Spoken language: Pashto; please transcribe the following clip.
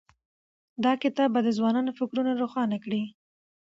دا کتاب به د ځوانانو فکرونه روښانه کړي.